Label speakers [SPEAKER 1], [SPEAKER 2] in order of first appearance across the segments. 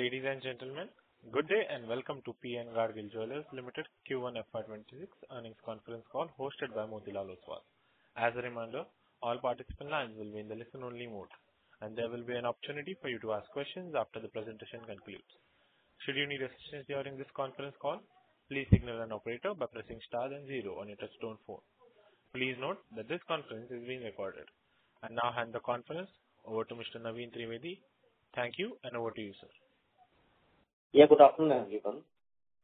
[SPEAKER 1] Ladies and gentlemen, good day and welcome to P N Gadgil Jewellers Limited Q1 FY26 earnings conference call hosted by Motilal Oswal. As a reminder, all participant lines will be in the listen only mode, and there will be an opportunity for you to ask questions after the presentation concludes. Should you need assistance during this conference call, please signal an operator by pressing star and 0 on your touch-tone phone. Please note that this conference is being recorded. I now hand the conference over to Mr. Naveen Trivedi. Thank you, and over to you, sir.
[SPEAKER 2] Yeah. Good afternoon, everyone.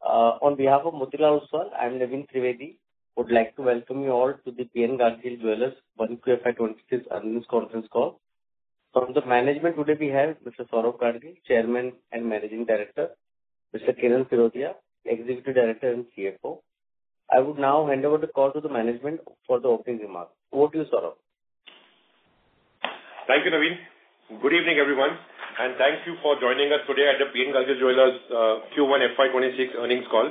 [SPEAKER 2] On behalf of Motilal Oswal, I'm Naveen Trivedi. Would like to welcome you all to the P N Gadgil Jewellers 1Q FY26 earnings conference call. From the management today we have Mr. Saurabh Gadgil, Chairman and Managing Director, Mr. Kiran Firodiya, Executive Director and CFO. I would now hand over the call to the management for the opening remarks. Over to you, Saurabh.
[SPEAKER 3] Thank you, Naveen. Good evening, everyone, and thank you for joining us today at the P N Gadgil Jewellers Q1 FY26 earnings call.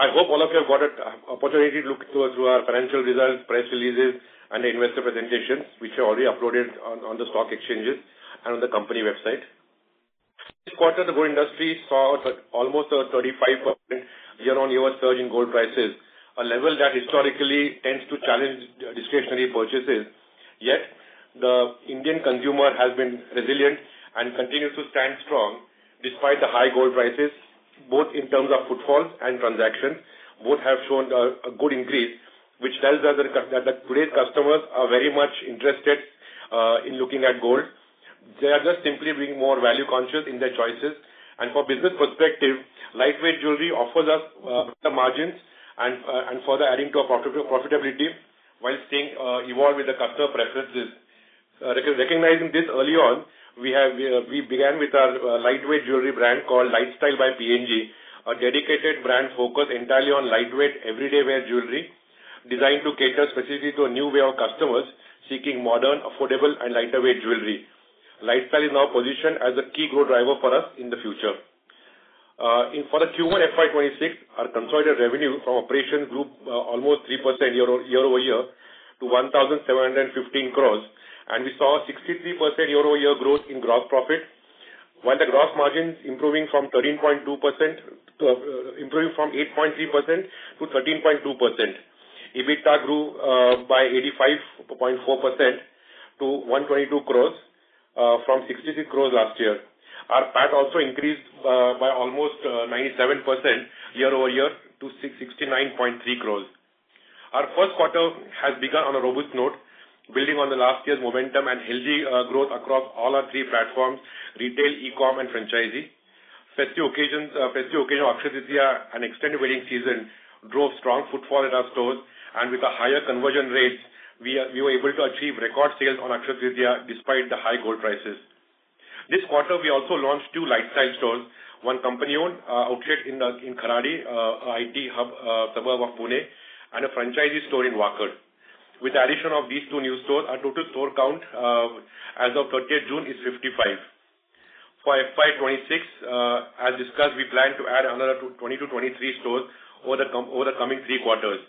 [SPEAKER 3] I hope all of you have got an opportunity to look through our financial results, press releases and investor presentations, which are already uploaded on the stock exchanges and on the company website. This quarter, the gold industry saw almost a 35% year-on-year surge in gold prices, a level that historically tends to challenge discretionary purchases. Yet, the Indian consumer has been resilient and continues to stand strong despite the high gold prices, both in terms of footfalls and transactions, both have shown a good increase, which tells us that today's customers are very much interested in looking at gold. They are just simply being more value-conscious in their choices. From business perspective, lightweight jewellery offers us better margins and further adding to our profitability whilst staying evolved with the customer preferences. Recognizing this early on, we began with our lightweight jewellery brand called LiteStyle by PNG, a dedicated brand focused entirely on lightweight, everyday wear jewellery designed to cater specifically to a new way of customers seeking modern, affordable and lighter weight jewellery. LiteStyle is now positioned as a key growth driver for us in the future. For the Q1 FY26, our consolidated revenue from operation grew by almost 3% year-over-year to 1,715 crores, and we saw a 63% year-over-year growth in gross profit, while the gross margins improving from 8.3% to 13.2%. EBITDA grew by 85.4% to 122 crores, from 66 crores last year. Our PAT also increased by almost 97% year-over-year to 69.3 crores. Our first quarter has begun on a robust note, building on the last year's momentum and healthy growth across all our three platforms, retail, e-com and franchising. Festive occasions, Akshaya Tritiya, and extended wedding season drove strong footfall at our stores and with a higher conversion rate, we were able to achieve record sales on Akshaya Tritiya despite the high gold prices. This quarter, we also launched two LiteStyle stores, one company-owned outlet in Kharadi, IT hub suburb of Pune, and a franchisee store in Wakad. With the addition of these two new stores, our total store count as of 30th June is 55. For FY 2026, as discussed, we plan to add another 20-23 stores over the coming three quarters.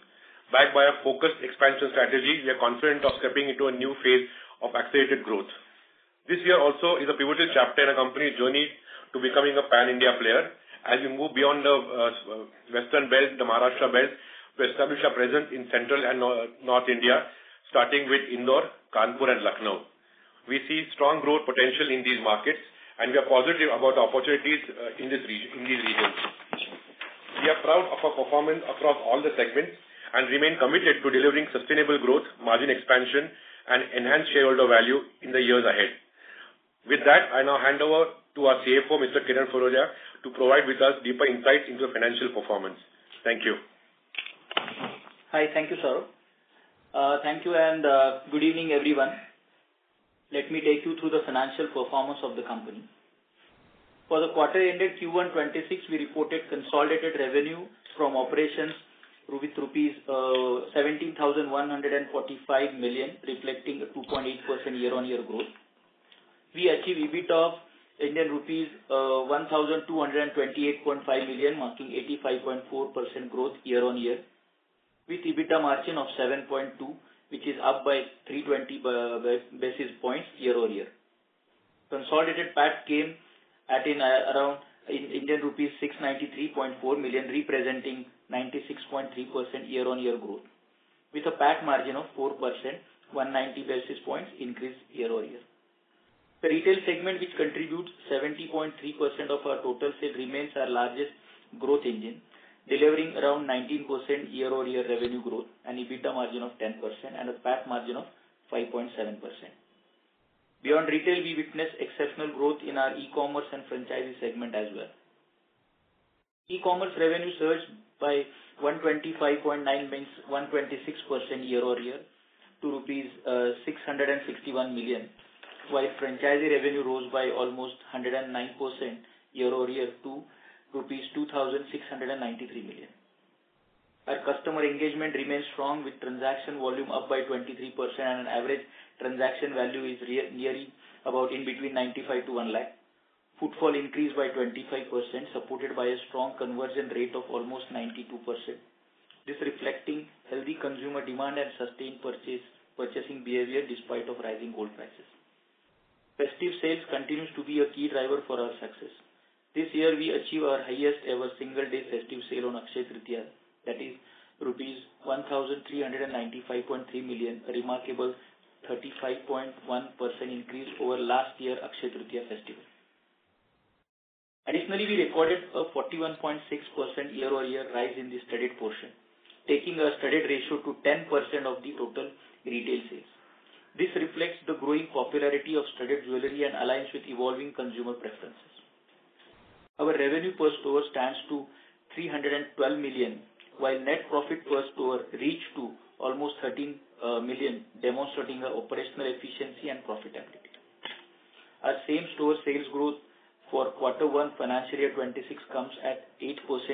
[SPEAKER 3] Backed by a focused expansion strategy, we are confident of stepping into a new phase of accelerated growth. This year also is a pivotal chapter in the company's journey to becoming a pan-India player. As we move beyond the western belt, the Maharashtra belt, we establish our presence in central and North India, starting with Indore, Kanpur and Lucknow. We see strong growth potential in these markets and we are positive about the opportunities in these regions. We are proud of our performance across all the segments and remain committed to delivering sustainable growth, margin expansion and enhanced shareholder value in the years ahead. With that, I now hand over to our CFO, Mr. Kiran Firodiya, to provide with us deeper insights into our financial performance. Thank you.
[SPEAKER 4] Hi. Thank you, Saurabh. Thank you and good evening, everyone. Let me take you through the financial performance of the company. For the quarter ended Q1 2026, we reported consolidated revenue from operations, rupees 17,145 million, reflecting a 2.8% year-on-year growth. We achieved EBITDA of Indian rupees 1,228.5 million, marking 85.4% growth year-on-year, with EBITDA margin of 7.2%, which is up by 320 basis points year-over-year. Consolidated PAT came at around Indian rupees 693.4 million, representing 96.3% year-on-year growth, with a PAT margin of 4%, 190 basis points increase year-over-year. The retail segment, which contributes 70.3% of our total sales, remains our largest growth engine, delivering around 19% year-over-year revenue growth, an EBITDA margin of 10%, and a PAT margin of 5.7%. Beyond retail, we witnessed exceptional growth in our e-commerce and franchisee segment as well. E-commerce revenue surged by 126% year-over-year to rupees 661 million, while franchisee revenue rose by almost 109% year-over-year to rupees 2,693 million. Our customer engagement remains strong with transaction volume up by 23%, and an average transaction value is about in between 95,000 to 1 lakh. Footfall increased by 25%, supported by a strong conversion rate of almost 92%. This reflecting healthy consumer demand and sustained purchasing behavior despite of rising gold prices. Festive sales continues to be a key driver for our success. This year we achieve our highest ever single-day festive sale on Akshaya Tritiya, that is rupees 1,395.3 million, a remarkable 35.1% increase over last year Akshaya Tritiya festival. Additionally, we recorded a 41.6% year-over-year rise in the studded portion, taking our studded ratio to 10% of the total retail sales. This reflects the growing popularity of studded jewelry and aligns with evolving consumer preferences. Our revenue per store stands to 312 million, while net profit per store reached to almost 13 million, demonstrating our operational efficiency and profitability. Our same-store sales growth for quarter one FY 2026 comes at 8%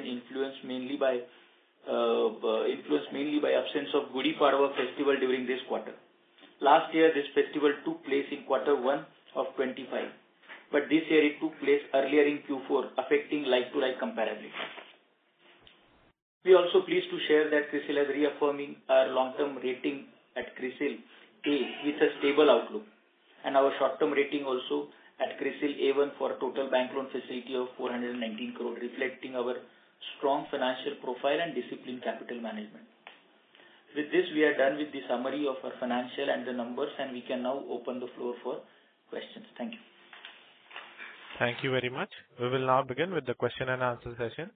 [SPEAKER 4] influenced mainly by absence of Gudi Padwa festival during this quarter. Last year, this festival took place in quarter one of 2025, but this year it took place earlier in Q4, affecting like-to-like comparison. We also pleased to share that CRISIL has reaffirmed our long-term rating at CRISIL A with a stable outlook, and our short-term rating also at CRISIL A1 for a total bank loan facility of 419 crore, reflecting our strong financial profile and disciplined capital management. With this, we are done with the summary of our financial and the numbers. We can now open the floor for questions. Thank you.
[SPEAKER 1] Thank you very much. We will now begin with the question and answer session.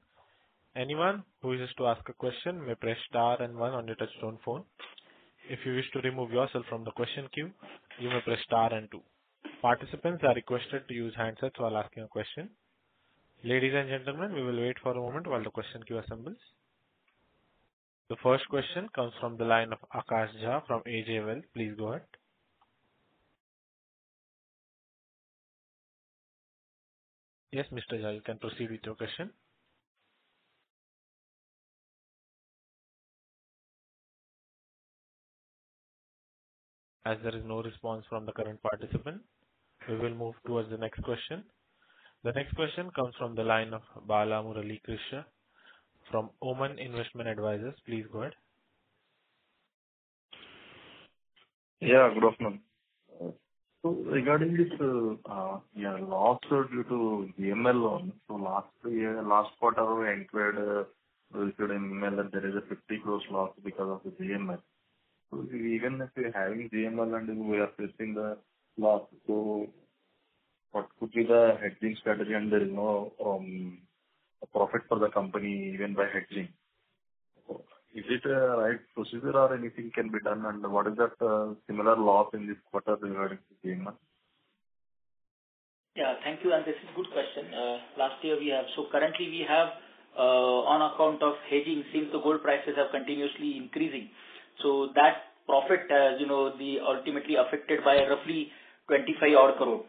[SPEAKER 1] Anyone who wishes to ask a question may press star 1 on your touchtone phone. If you wish to remove yourself from the question queue, you may press star 2. Participants are requested to use handsets while asking a question. Ladies and gentlemen, we will wait for a moment while the question queue assembles. The first question comes from the line of Aakash Jha from AJ Well. Please go ahead. Yes, Mr. Jha, you can proceed with your question. As there is no response from the current participant, we will move towards the next question. The next question comes from the line of Bala Murali Krishna from Oman Investment Advisors. Please go ahead.
[SPEAKER 5] Good afternoon. Regarding this, your loss due to GML loan. Last quarter we inquired, you said in GML that there is a 50 crore loss because of the GML. Even if you're having GML and we are facing the loss, what could be the hedging strategy and there is no profit for the company even by hedging. Is it a right procedure or anything can be done and what is that similar loss in this quarter regarding GML?
[SPEAKER 4] Thank you. This is good question. Currently we have on account of hedging since the gold prices are continuously increasing. That profit has ultimately affected by roughly 25 crore.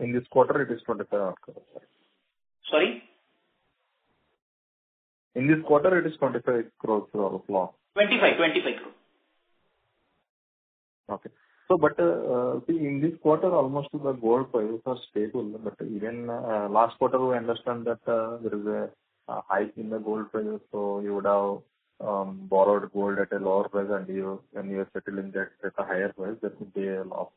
[SPEAKER 5] In this quarter it is 25 crore.
[SPEAKER 4] Sorry?
[SPEAKER 5] In this quarter, it is 25 crore loss.
[SPEAKER 4] 25 crore.
[SPEAKER 5] Okay. See in this quarter, almost the gold prices are stable but even last quarter, we understand that there is a hike in the gold prices. You would have borrowed gold at a lower price and you're settling that at a higher price, that would be a loss.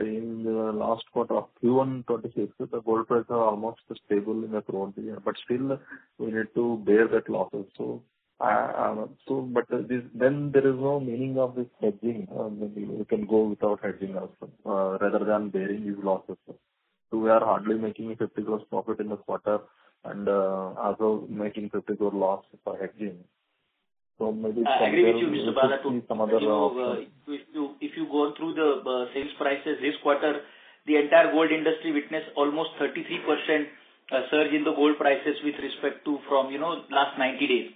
[SPEAKER 5] In the last quarter of Q1 2026, the gold prices are almost stable in that whole year, but still we need to bear that loss also. There is no meaning of this hedging. Maybe you can go without hedging also, rather than bearing these losses. We are hardly making a 50 crore profit in this quarter and also making 50 crore loss for hedging.
[SPEAKER 4] I agree with you, Mr. Bala.
[SPEAKER 5] -some other option.
[SPEAKER 4] If you go through the sales prices this quarter, the entire gold industry witnessed almost 33% surge in the gold prices with respect to from last 90 days.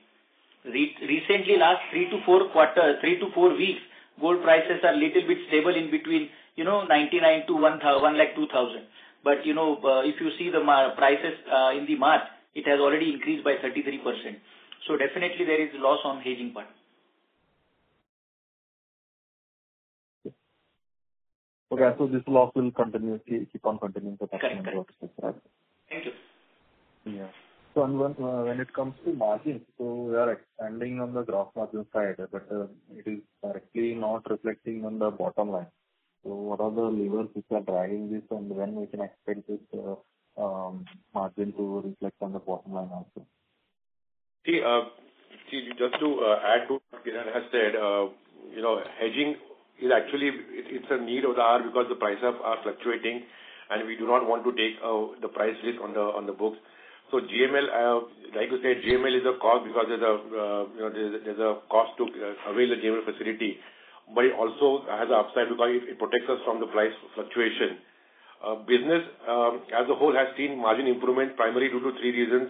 [SPEAKER 4] Recently, last three to four weeks, gold prices are little bit stable in between 99,000-102,000. If you see the prices in the March, it has already increased by 33%. Definitely there is loss on hedging part.
[SPEAKER 5] Okay. This loss will keep on continuing for the time being.
[SPEAKER 4] Correct. Thank you.
[SPEAKER 5] When it comes to margin, we are expanding on the gross margin side, but it is directly not reflecting on the bottom line. What are the levers which are driving this and when we can expect this margin to reflect on the bottom line also?
[SPEAKER 3] Just to add to what Kiran has said, hedging is actually it's a need of the hour because the prices are fluctuating and we do not want to take the price risk on the books. Like you said, GML is a cost because there's a cost to avail the GML facility, but it also has a upside because it protects us from the price fluctuation. Business as a whole has seen margin improvement primarily due to three reasons.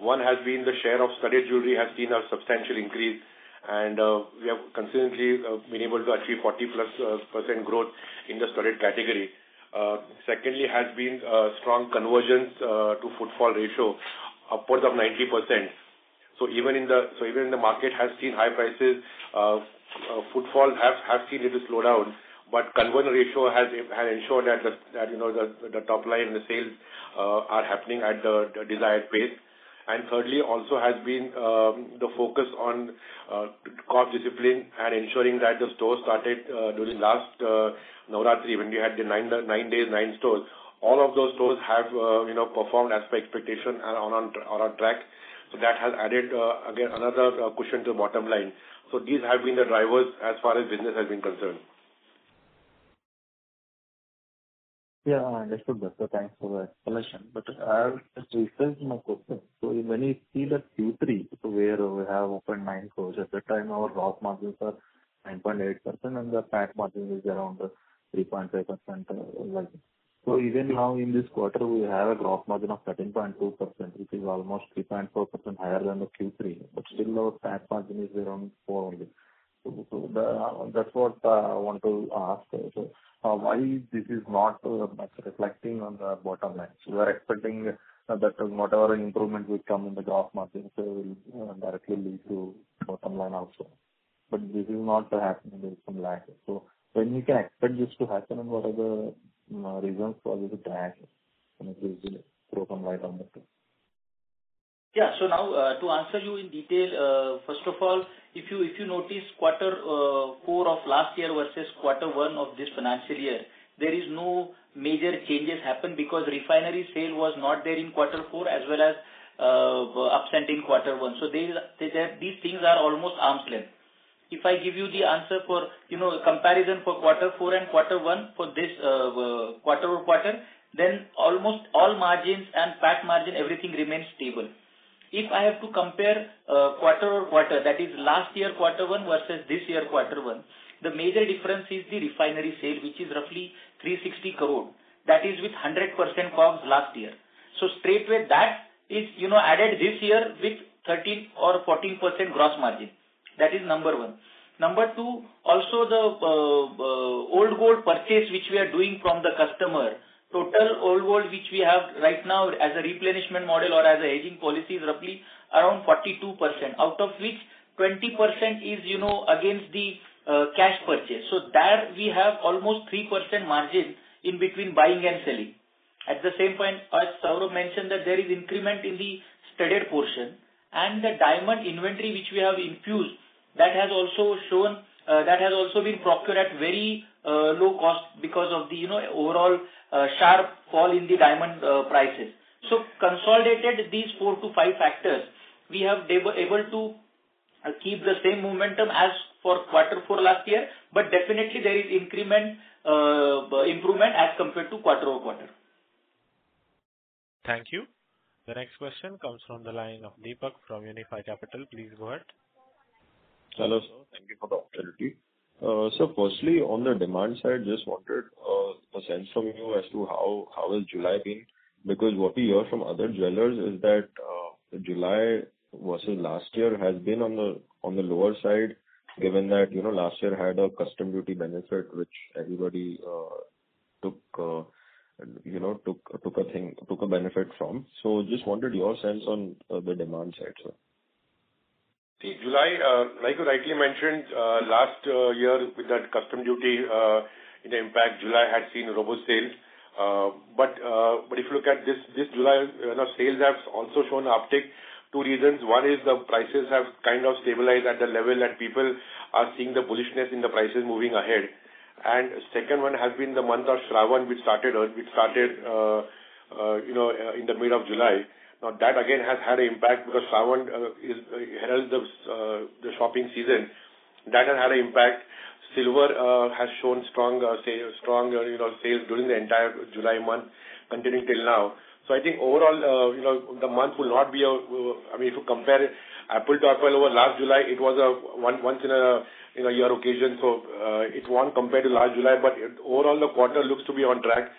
[SPEAKER 3] One has been the share of studded jewelry has seen a substantial increase and we have consistently been able to achieve 40-plus % growth in the studded category. Secondly has been strong conversions to footfall ratio, upwards of 90%. Even the market has seen high prices, footfall has seen a little slowdown, but conversion ratio has ensured that the top line and the sales are happening at the desired pace. Thirdly also has been the focus on cost discipline and ensuring that the stores started during last Navratri, when we had the nine days, nine stores. All of those stores have performed as per expectation and are on track. That has added, again, another cushion to bottom line. These have been the drivers as far as business has been concerned.
[SPEAKER 5] Yeah, understood. Sir, thanks for the explanation. I'll just refresh my question. When we see the Q3, where we have opened nine stores, at that time our gross margins are 9.8% and the PAT margin is around 3.5% like. Even now in this quarter, we have a gross margin of 13.2%, which is almost 3.4% higher than the Q3, but still our PAT margin is around four only. That's what I want to ask. Why this is not much reflecting on the bottom line? We are expecting that whatever improvement will come in the gross margins will directly lead to bottom line also. This is not happening, there is some lag. When we can expect this to happen and what are the reasons for this drag? If you could throw some light on that too.
[SPEAKER 4] Yeah. Now, to answer you in detail, first of all, if you notice quarter four of last year versus quarter one of this financial year, there is no major changes happen because refinery sale was not there in quarter four as well as upsell in quarter one. These things are almost arm's length. If I give you the answer for comparison for quarter four and quarter one for this quarter-on-quarter, almost all margins and PAT margin, everything remains stable. If I have to compare quarter-on-quarter, that is last year quarter one versus this year quarter one, the major difference is the refinery sale, which is roughly 360 crore. That is with 100% COGS last year. Straight with that is added this year with 13 or 14% gross margin. That is number one. Number two, also the old gold purchase, which we are doing from the customer. Total old gold which we have right now as a replenishment model or as a aging policy is roughly around 42%, out of which 20% is against the cash purchase. There we have almost 3% margin in between buying and selling. At the same point, as Saurabh mentioned, that there is increment in the studded portion and the diamond inventory which we have infused, that has also been procured at very low cost because of the overall sharp fall in the diamond prices. Consolidated these four to five factors, we have able to keep the same momentum as for quarter four last year, but definitely there is improvement as compared to quarter-on-quarter.
[SPEAKER 1] Thank you. The next question comes from the line of Deepak from Unifi Capital. Please go ahead.
[SPEAKER 6] Hello, sir. Thank you for the opportunity. Sir, firstly, on the demand side, just wondered a sense from you as to how has July been, because what we hear from other jewelers is that July versus last year has been on the lower side, given that last year had a custom duty benefit which everybody took a benefit from. Just wondered your sense on the demand side, sir.
[SPEAKER 3] July, like you rightly mentioned, last year with that custom duty in impact, July had seen robust sales. If you look at this July, sales have also shown uptick. Two reasons. One is the prices have kind of stabilized at the level that people are seeing the bullishness in the prices moving ahead. Second one has been the month of Shravan which started in the mid of July. That again has had impact because Shravan heralds the shopping season. That has had impact. Silver has shown stronger sales during the entire July month until now. I think overall, the month will not be a If you compare it, April to October over last July, it was a once in a year occasion. It won't compare to last July, but overall the quarter looks to be on track.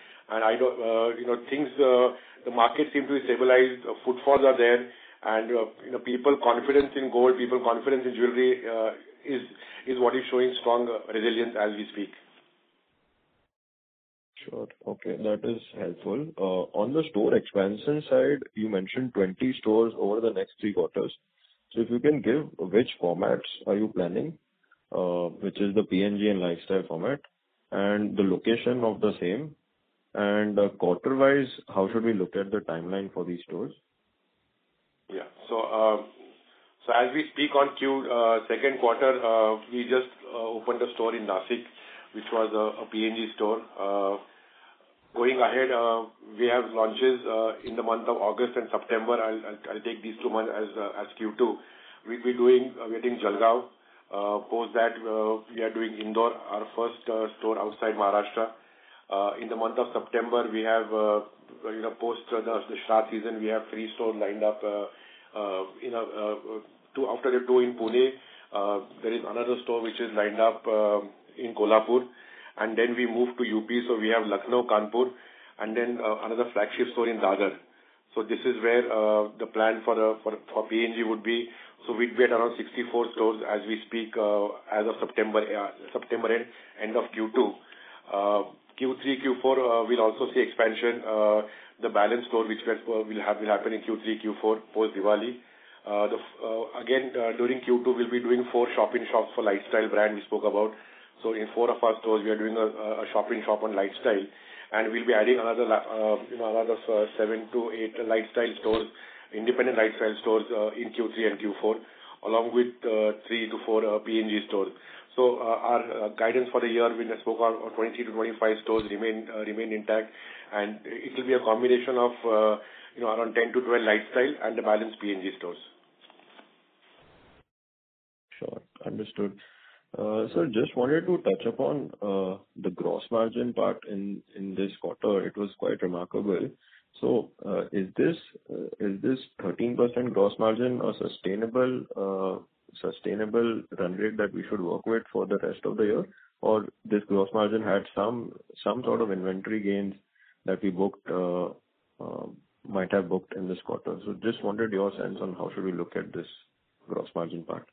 [SPEAKER 3] The market seems to be stabilized. Footfalls are there and people confidence in gold, people confidence in jewelry is what is showing strong resilience as we speak.
[SPEAKER 6] Sure. Okay, that is helpful. On the store expansion side, you mentioned 20 stores over the next three quarters. If you can give which formats are you planning, which is the PNG and LiteStyle format, and the location of the same, and quarter-wise, how should we look at the timeline for these stores?
[SPEAKER 3] Yeah. As we speak on second quarter, we just opened a store in Nashik, which was a PNG store. Going ahead, we have launches in the month of August and September. I'll take these two months as Q2. We'll be doing Jalgaon. Post that we are doing Indore, our first store outside Maharashtra. In the month of September, post the Shraddha season, we have three stores lined up. After two in Pune, there is another store which is lined up in Kolhapur, and then we move to UP, so we have Lucknow, Kanpur, and then another flagship store in Agra. This is where the plan for PNG would be. We'd be at around 64 stores as we speak as of September end of Q2. Q3, Q4, we'll also see expansion. The balance store mix will happen in Q3, Q4, post Diwali. Again, during Q2, we'll be doing four shopping shops for LiteStyle brand we spoke about. In four of our stores, we are doing a shopping shop on LiteStyle, and we'll be adding another seven to eight independent LiteStyle stores in Q3 and Q4, along with three to four PNG stores. Our guidance for the year we just spoke about, 20-25 stores remain intact, and it will be a combination of around 10-12 LiteStyle and the balance PNG stores.
[SPEAKER 6] Sure. Understood. Sir, just wanted to touch upon the gross margin part in this quarter. It was quite remarkable. Is this 13% gross margin a sustainable run rate that we should work with for the rest of the year? Or this gross margin had some sort of inventory gains that we might have booked in this quarter? Just wondered your sense on how should we look at this gross margin part.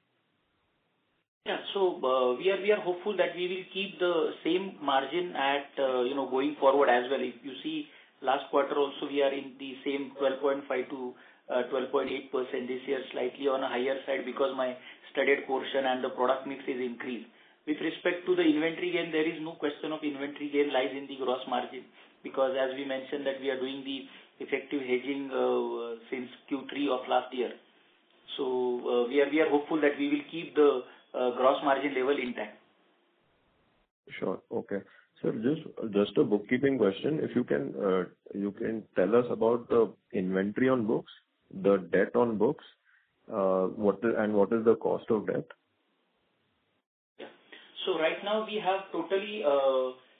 [SPEAKER 4] Yeah. We are hopeful that we will keep the same margin going forward as well. If you see last quarter also, we are in the same 12.5%-12.8%. This year slightly on a higher side because my studded portion and the product mix has increased. With respect to the inventory gain, there is no question of inventory gain lying in the gross margin, because as we mentioned that we are doing the effective hedging since Q3 of last year. We are hopeful that we will keep the gross margin level intact.
[SPEAKER 6] Sure. Okay. Sir, just a bookkeeping question. If you can tell us about the inventory on books, the debt on books, and what is the cost of debt?
[SPEAKER 4] Yeah. Right now we have totally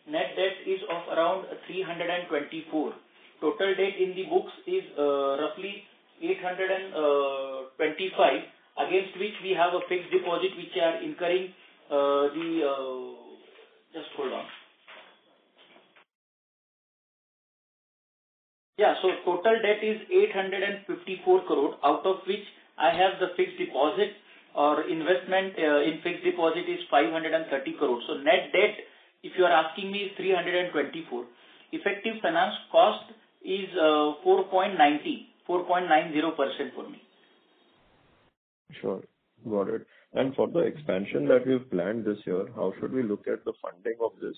[SPEAKER 4] net debt of around 324. Total debt in the books is roughly 825, against which we have a fixed deposit. Just hold on. Yeah. Total debt is 854 crore, out of which I have the fixed deposit or investment in fixed deposit is 530 crore. Net debt, if you are asking me, is 324. Effective finance cost is 4.90% for me.
[SPEAKER 6] Sure. Got it. For the expansion that we've planned this year, how should we look at the funding of this?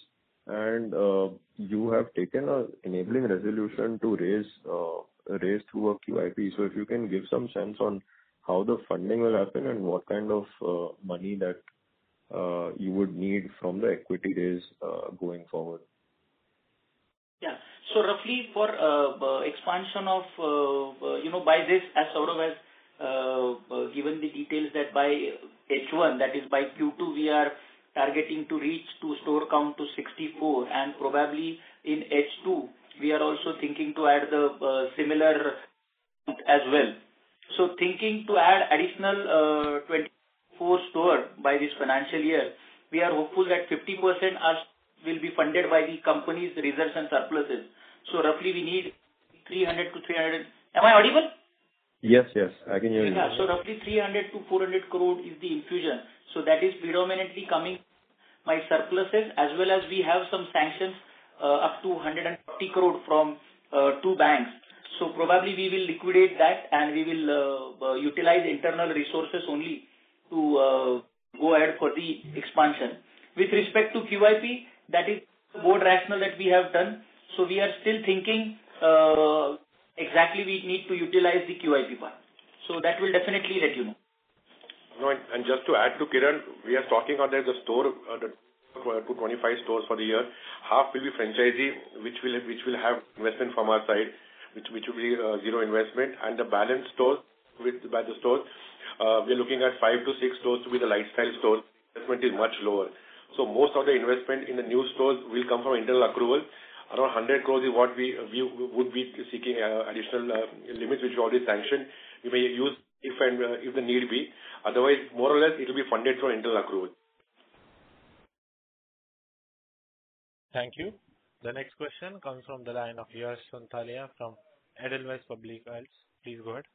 [SPEAKER 6] You have taken an enabling resolution to raise through a QIP. If you can give some sense on how the funding will happen and what kind of money that you would need from the equity raise going forward.
[SPEAKER 4] Yeah. Roughly for expansion, as given the details that by H1, that is by Q2, we are targeting to reach store count to 64, and probably in H2, we are also thinking to add the similar as well. Thinking to add additional 24 stores by this financial year. We are hopeful that 50% will be funded by the company's results and surpluses. Roughly we need 300. Am I audible?
[SPEAKER 6] Yes, yes. I can hear you.
[SPEAKER 4] Roughly 300 crore-400 crore is the infusion. That is predominantly coming my surpluses, as well as we have some sanctions up to 150 crore from 2 banks. Probably we will liquidate that, and we will utilize internal resources only to go ahead for the expansion. With respect to QIP, that is more rational that we have done. We are still thinking exactly we need to utilize the QIP part. That we'll definitely let you know.
[SPEAKER 3] Just to add to Kiran, we are talking out there the store, 25 stores for the year, half will be franchisee, which will have investment from our side, which will be zero investment, and the balance stores. We're looking at 5-6 stores to be the LiteStyle stores. Investment is much lower. Most of the investment in the new stores will come from internal accrual. Around 100 crore is what we would be seeking additional limits which are already sanctioned. We may use if the need be. Otherwise, more or less, it will be funded through internal accrual.
[SPEAKER 6] Thank you. The next question comes from the line of Yash Sonthalia from Edelweiss Private Wealth. Please go ahead.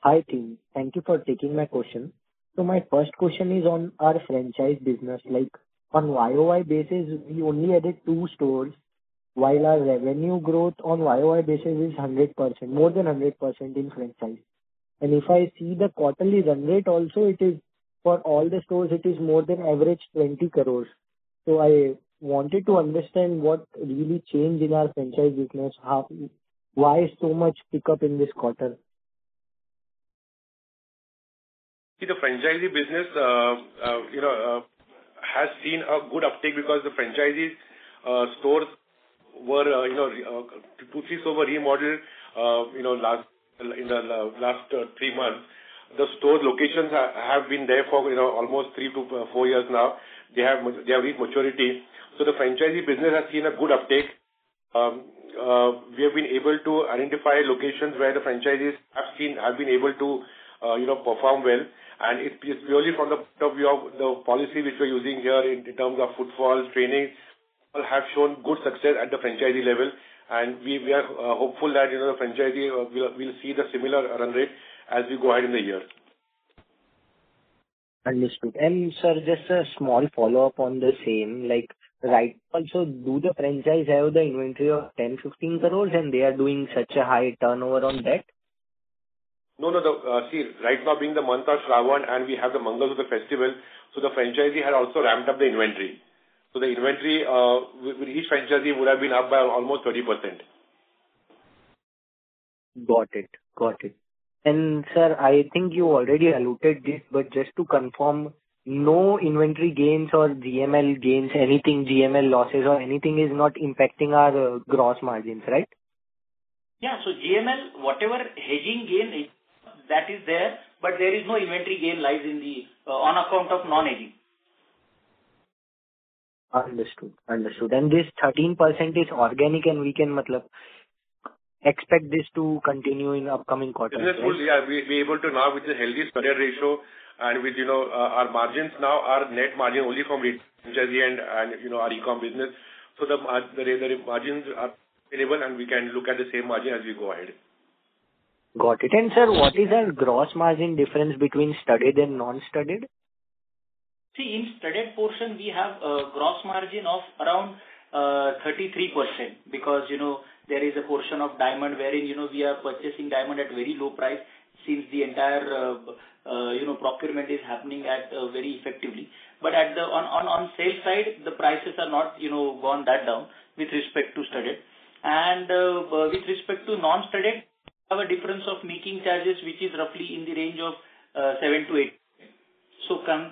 [SPEAKER 7] Hi, team. Thank you for taking my question. My first question is on our franchise business. On YOY basis, we only added two stores, while our revenue growth on YOY basis is 100%, more than 100% in franchise. If I see the quarterly run rate also, for all the stores, it is more than average 20 crores. I wanted to understand what really changed in our franchise business. Why so much pickup in this quarter?
[SPEAKER 3] The franchisee business has seen a good uptake because the franchisees stores were remodeled in the last three months. The store locations have been there for almost three to four years now. They have reached maturity. The franchisee business has seen a good uptake. We have been able to identify locations where the franchisees have been able to perform well. It's really from the point of view of the policy which we're using here in terms of footfall, training, people have shown good success at the franchisee level, and we are hopeful that franchisee will see the similar run rate as we go ahead in the year.
[SPEAKER 7] Understood. Sir, just a small follow-up on the same. Right now, do the franchise have the inventory of 10 crores, 15 crores and they are doing such a high turnover on that?
[SPEAKER 3] No. See, right now being the month of Shravan and we have the Mangala Gauri Festival, the franchisee had also ramped up the inventory. The inventory with each franchisee would have been up by almost 30%.
[SPEAKER 7] Got it. Sir, I think you already alluded this, but just to confirm, no inventory gains or GML gains, anything GML losses or anything is not impacting our gross margins, right?
[SPEAKER 4] Yeah. GML, whatever hedging gain is, that is there, but there is no inventory gain lies on account of non-hedging.
[SPEAKER 7] Understood. This 13% is organic, we can expect this to continue in upcoming quarters, right?
[SPEAKER 3] Yes. We are able to now with the healthy steady ratio and with our margins now, our net margin only from the franchisee end and our e-com business. The margins are available, we can look at the same margin as we go ahead.
[SPEAKER 7] Got it. Sir, what is the gross margin difference between LiteStyle and non-LiteStyle?
[SPEAKER 4] In LiteStyle portion, we have a gross margin of around 33%, because there is a portion of diamond wherein we are purchasing diamond at very low price since the entire procurement is happening at very effectively. On sale side, the prices are not gone that down with respect to LiteStyle. With respect to non-LiteStyle, we have a difference of making charges which is roughly in the range of 7%-8%.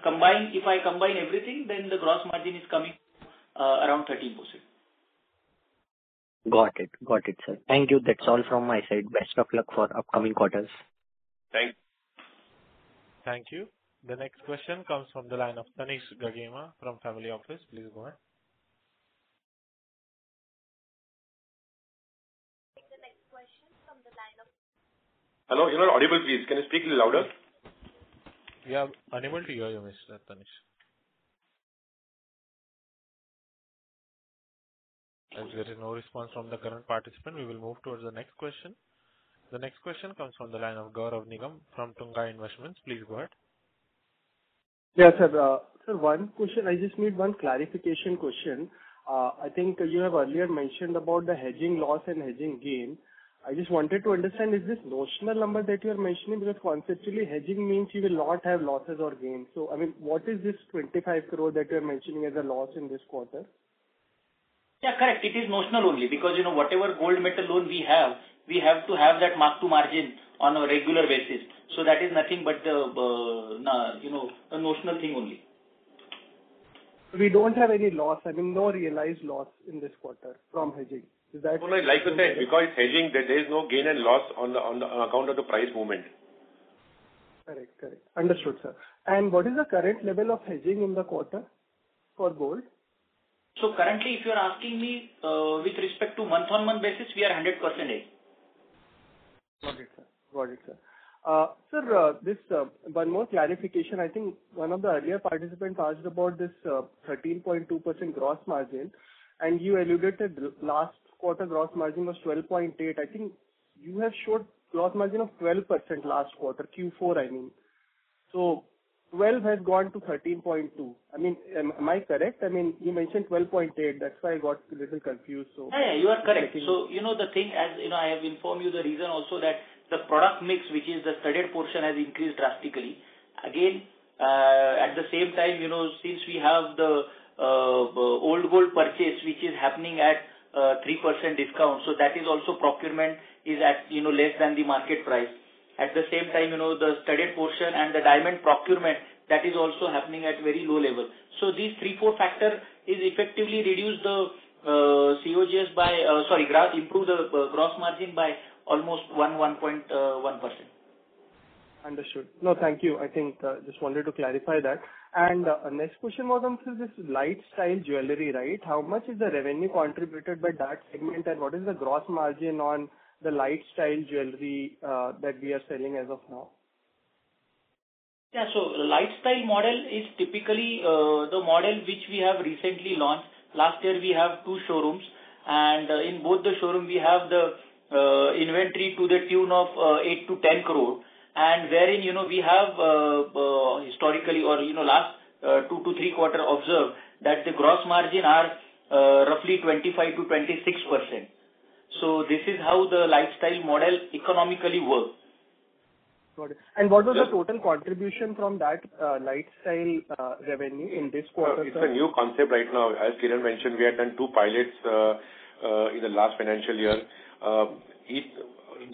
[SPEAKER 4] If I combine everything, then the gross margin is coming around 13%.
[SPEAKER 7] Got it, sir. Thank you. That's all from my side. Best of luck for upcoming quarters.
[SPEAKER 3] Thanks.
[SPEAKER 1] Thank you. The next question comes from the line of Tanish from Family Office. Please go ahead. We'll take the next question from the line of-
[SPEAKER 3] Hello, you're not audible, please. Can you speak little louder?
[SPEAKER 1] We are unable to hear you, Mr. Tanish. There is no response from the current participant, we will move towards the next question. The next question comes from the line of Gaurav Nigam from Tunga Investments. Please go ahead.
[SPEAKER 8] Yes, sir. Sir, one question. I just need one clarification question. I think you have earlier mentioned about the hedging loss and hedging gain. I just wanted to understand, is this notional number that you are mentioning? Conceptually, hedging means you will not have losses or gains. I mean, what is this 25 crore that you are mentioning as a loss in this quarter?
[SPEAKER 4] Correct. It is notional only because whatever gold metal loan we have, we have to have that mark to margin on a regular basis. That is nothing but a notional thing only.
[SPEAKER 8] We don't have any loss, I mean, no realized loss in this quarter from hedging. Is that?
[SPEAKER 3] No, like I said, because hedging, there is no gain and loss on account of the price movement.
[SPEAKER 8] Correct. Understood, sir. What is the current level of hedging in the quarter for gold?
[SPEAKER 4] currently, if you are asking me with respect to month-on-month basis, we are 100% hedged.
[SPEAKER 8] Got it, sir. Sir, one more clarification. I think one of the earlier participants asked about this 13.2% gross margin, and you alluded that last quarter gross margin was 12.8. I think you have showed gross margin of 12% last quarter, Q4 I mean. 12 has gone to 13.2. I mean, am I correct? You mentioned 12.8, that's why I got a little confused.
[SPEAKER 4] Yeah. You are correct. you know the thing, as I have informed you the reason also that the product mix, which is the studded portion, has increased drastically. At the same time, since we have the old gold purchase, which is happening at 3% discount, that is also procurement is at less than the market price. At the same time, the studded portion and the diamond procurement, that is also happening at very low level. These three, four factor is effectively improve the gross margin by almost 1.1%.
[SPEAKER 8] Understood. No, thank you. I think just wanted to clarify that. Next question was on, this LiteStyle jewelry, right? How much is the revenue contributed by that segment, and what is the gross margin on the LiteStyle jewelry that we are selling as of now?
[SPEAKER 4] LiteStyle model is typically the model which we have recently launched. Last year, we have two showrooms, and in both the showroom, we have the inventory to the tune of 8 crore-10 crore. Wherein we have historically or last two to three quarters observed that the gross margin are roughly 25%-26%. This is how the LiteStyle model economically works.
[SPEAKER 8] What was the total contribution from that LiteStyle revenue in this quarter, sir?
[SPEAKER 3] It's a new concept right now. As Kiran mentioned, we had done two pilots in the last financial year.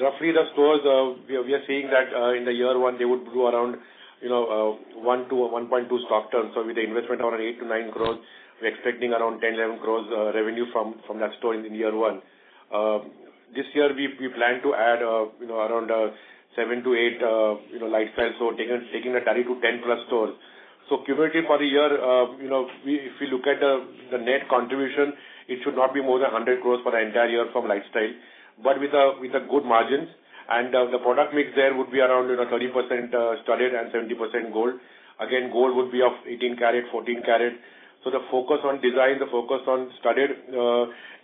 [SPEAKER 3] Roughly the stores, we are seeing that in the year one they would grow around 1-1.2 stock turns. With the investment around 8 crore-9 crore, we're expecting around 10 crore, 11 crore revenue from that store in the year one. This year, we plan to add around seven to eight LiteStyle stores, taking the tally to 10+ stores. Cumulatively for the year, if we look at the net contribution, it should not be more than 100 crore for the entire year from LiteStyle, but with a good margin. The product mix there would be around 30% studded and 70% gold. Again, gold would be of 18 karat, 14 karat. The focus on design, the focus on studded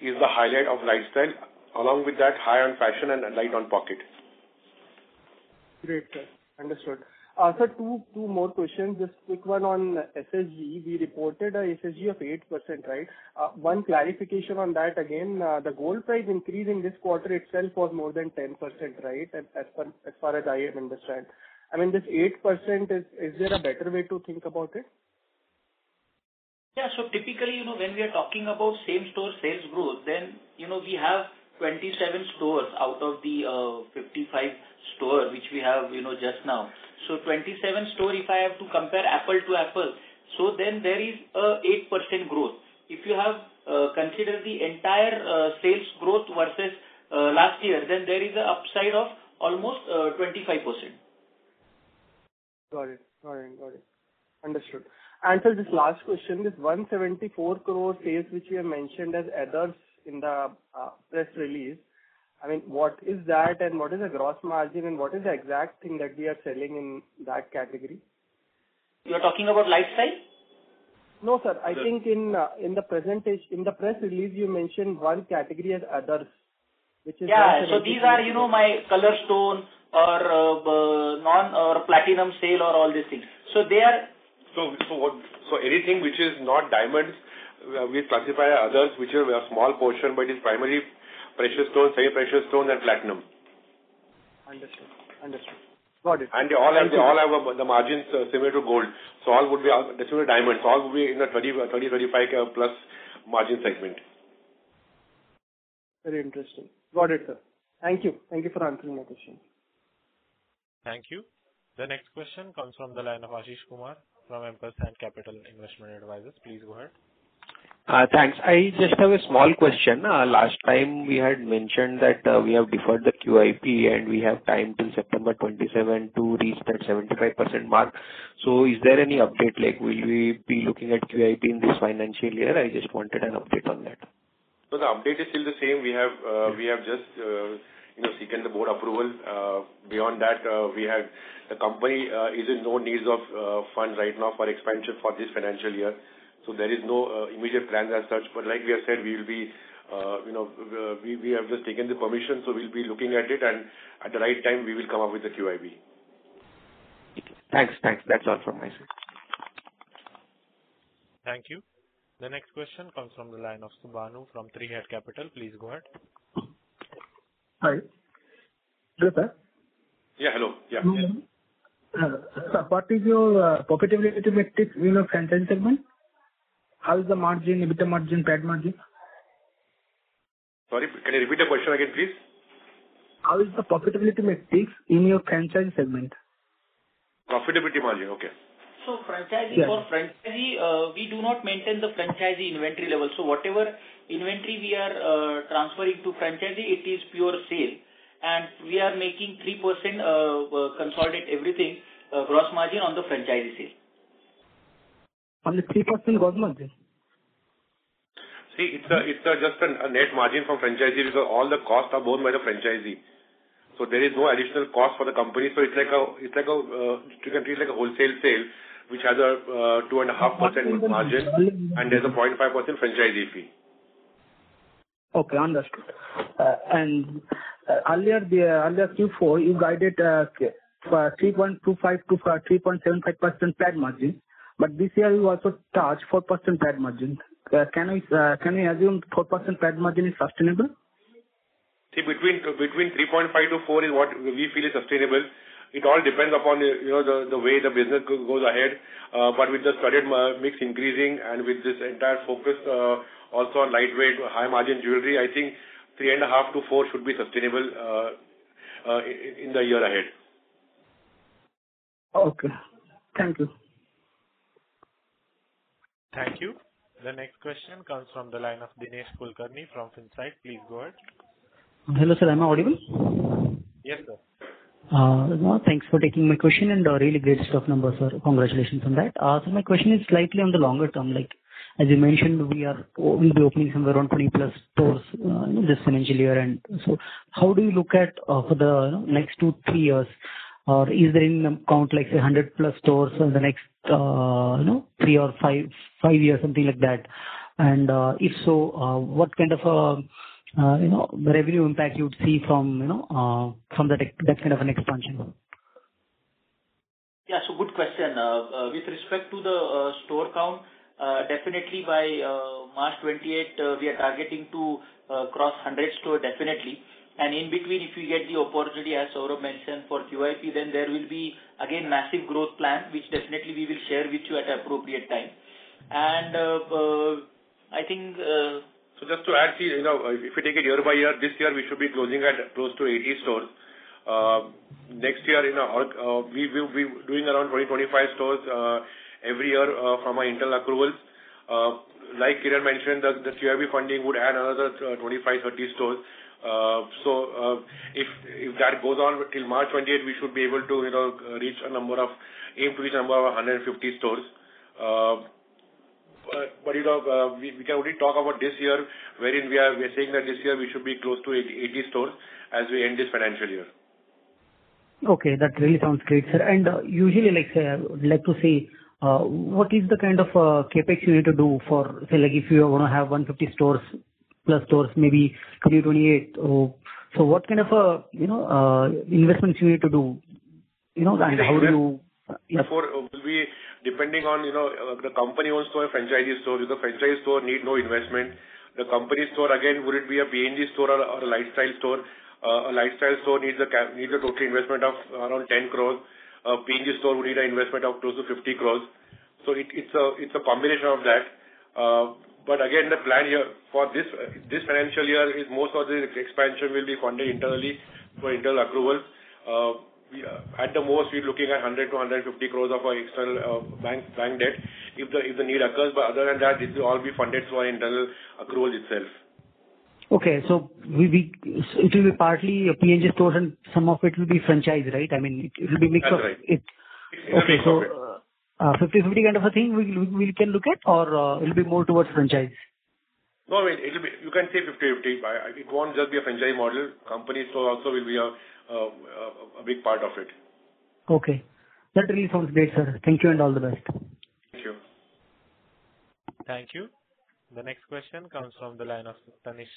[SPEAKER 3] is the highlight of LiteStyle. Along with that, high on fashion and light on pocket.
[SPEAKER 8] Great, sir. Understood. Sir, two more questions. Just quick one on SSG. We reported a SSG of 8%, right? One clarification on that again. The gold price increase in this quarter itself was more than 10%, right? As far as I have understood. This 8%, is there a better way to think about it?
[SPEAKER 4] Yeah. Typically, when we are talking about same store sales growth, then we have 27 stores out of the 55 stores which we have just now. 27 stores, if I have to compare apple to apple, so then there is an 8% growth. If you have considered the entire sales growth versus last year, then there is a upside of almost 25%.
[SPEAKER 8] Got it. Understood. Sir, this last question, this 174 crore sales, which you have mentioned as others in the press release. What is that? What is the gross margin? What is the exact thing that we are selling in that category?
[SPEAKER 4] You're talking about LiteStyle?
[SPEAKER 8] No, sir. I think in the press release, you mentioned one category as others.
[SPEAKER 4] Yeah. These are my colored stone or non platinum sale or all these things. They are.
[SPEAKER 3] Anything which is not diamonds, we classify as others, which are a small portion, but is primary precious stones, semi-precious stones and platinum.
[SPEAKER 8] Understood. Got it.
[SPEAKER 3] They all have the margins similar to gold. Similar to diamonds. All would be in the 30, 35 plus margin segment.
[SPEAKER 8] Very interesting. Got it, sir. Thank you. Thank you for answering my question.
[SPEAKER 1] Thank you. The next question comes from the line of Ashish Kumar from Empressline Capital Investment Advisors. Please go ahead.
[SPEAKER 9] Thanks. I just have a small question. Last time we had mentioned that we have deferred the QIP and we have time till September 27 to reach that 75% mark. Is there any update? Will we be looking at QIP in this financial year? I just wanted an update on that.
[SPEAKER 3] The update is still the same. We have just seeked the board approval. Beyond that, the company is in no need of funds right now for expansion for this financial year. There is no immediate plans as such. Like we have said, we have just taken the permission, so we'll be looking at it, and at the right time, we will come up with the QIP.
[SPEAKER 9] Thanks. That's all from my side.
[SPEAKER 1] Thank you. The next question comes from the line of Subhanu from Three Headed Capital. Please go ahead.
[SPEAKER 10] Hi. Hello, sir.
[SPEAKER 3] Yeah. Hello. Yeah.
[SPEAKER 10] Sir, what is your profitability metrics in your franchise segment? How is the margin, EBITDA margin, PAT margin?
[SPEAKER 3] Sorry, can you repeat the question again, please?
[SPEAKER 10] How is the profitability metrics in your franchise segment?
[SPEAKER 3] Profitability margin. Okay.
[SPEAKER 4] Franchising. For franchisee, we do not maintain the franchisee inventory level. Whatever inventory we are transferring to franchisee, it is pure sale. We are making 3% consolidated everything, gross margin on the franchisee sale.
[SPEAKER 10] Only 3% gross margin?
[SPEAKER 3] See, it's just a net margin from franchisee because all the costs are borne by the franchisee. There is no additional cost for the company. You can treat it like a wholesale sale, which has a 2.5% margin, and there's a 0.5% franchisee fee.
[SPEAKER 10] Okay, understood. Earlier Q4, you guided for 3.25%-3.75% PAT margin, but this year you also charged 4% PAT margin. Can we assume 4% PAT margin is sustainable?
[SPEAKER 3] See, between 3.5-4 is what we feel is sustainable. It all depends upon the way the business goes ahead. With the credit mix increasing and with this entire focus also on lightweight, high margin jewelry, I think 3.5-4 should be sustainable in the year ahead.
[SPEAKER 10] Okay. Thank you.
[SPEAKER 1] Thank you. The next question comes from the line of Dinesh Kulkarni from Finsight. Please go ahead.
[SPEAKER 11] Hello, sir. Am I audible?
[SPEAKER 1] Yes, sir.
[SPEAKER 11] Thanks for taking my question, and really great set of numbers, sir. Congratulations on that. Sir, my question is slightly on the longer term. As you mentioned, we'll be opening somewhere around 20 plus stores this financial year. How do you look at for the next two, three years? Is there any count, say, 100 plus stores in the next three or five years, something like that? If so, what kind of revenue impact you would see from that kind of an expansion?
[SPEAKER 4] Yeah. Good question. With respect to the store count, definitely by March 2028, we are targeting to cross 100 stores definitely. In between, if we get the opportunity, as Saurabh mentioned, for QIP, there will be again massive growth plan, which definitely we will share with you at appropriate time. I think.
[SPEAKER 3] Just to add to it, if we take it year by year, this year, we should be closing at close to 80 stores. Next year we will be doing around 20-25 stores every year from our internal accruals. Like Kiran mentioned, the QIP funding would add another 25-30 stores. If that goes on till March 2028, we should be able to aim to reach a number of 150 stores. We can only talk about this year, wherein we are saying that this year we should be close to 80 stores as we end this financial year.
[SPEAKER 11] Okay, that really sounds great, sir. Usually, I would like to say, what is the kind of CapEx you need to do for, say, if you want to have 150 plus stores, maybe 2028. What kind of investments you need to do? How do you-
[SPEAKER 3] Therefore, it will be depending on the company-owned store, franchise store. Because franchise store need no investment. The company store, again, would it be a PNG store or a LiteStyle store? A LiteStyle store needs a total investment of around 10 crore. A PNG store would need an investment of close to 50 crore. It's a combination of that. Again, the plan here for this financial year is most of the expansion will be funded internally through internal accruals. At the most, we're looking at 100 crore-150 crore of our external bank debt if the need occurs. Other than that, it will all be funded through our internal accruals itself.
[SPEAKER 11] Okay. It will be partly a PNG store and some of it will be franchise, right? I mean, it'll be mix of-
[SPEAKER 3] That's right.
[SPEAKER 11] Okay. 50/50 kind of a thing we can look at or it'll be more towards franchise?
[SPEAKER 3] No, you can say 50/50. It won't just be a franchise model. Company store also will be a big part of it.
[SPEAKER 11] Okay. That really sounds great, sir. Thank you and all the best.
[SPEAKER 3] Thank you.
[SPEAKER 1] Thank you. The next question comes from the line of Tanish